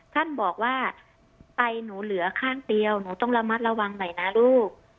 ท่านบอกว่าไตหนูเหลือข้างเดียวหนูต้องระมัดระวังหน่อยนะลูก